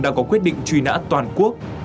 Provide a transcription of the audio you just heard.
đã có quyết định truy nã toàn quốc